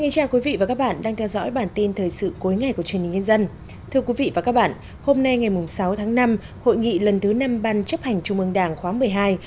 các bạn hãy đăng ký kênh để ủng hộ kênh của chúng mình nhé